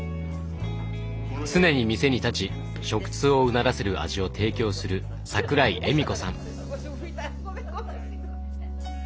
常に店に立ち食通をうならせる味を提供する桜井莞子さん。